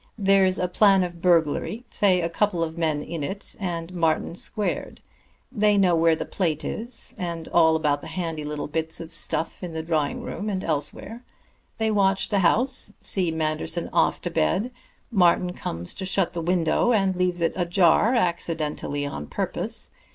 There's a plan of burglary say a couple of men in it and Martin squared. They know where the plate is, and all about the handy little bits of stuff in the drawing room and elsewhere. They watch the house; see Manderson off to bed; Martin comes to shut the window, and leaves it ajar accidentally on purpose.